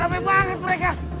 rame banget mereka